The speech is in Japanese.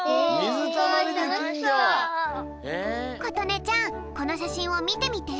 ことねちゃんこのしゃしんをみてみて。